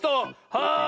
はい！